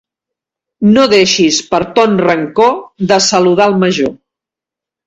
No deixis, per ton rancor, de saludar al major.